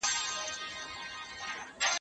يو بيده بل بيده نه سي ويښولاى.